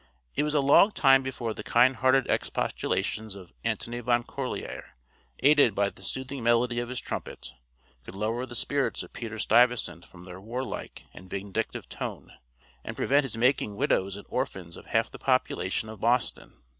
It was a long time before the kind hearted expostulations of Antony Van Corlear, aided by the soothing melody of his trumpet, could lower the spirits of Peter Stuyvesant from their warlike and vindictive tone, and prevent his making widows and orphans of half the population of Boston.